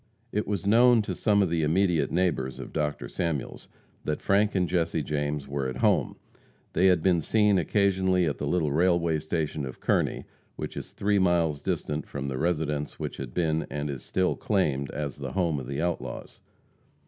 It was known to some of the immediate neighbors of Dr. Samuels that Frank and Jesse James were at home. They had been seen occasionally at the little railway station of Kearney, which is three miles distant from the residence which had been, and was still claimed, as the home of the outlaws.